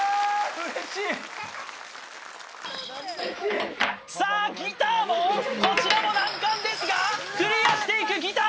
嬉しいっさあギターもこちらも難関ですがクリアしていくギター